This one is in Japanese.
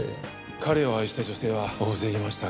彼を愛した女性は大勢いましたが。